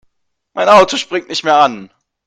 Mein Auto springt nicht mehr an.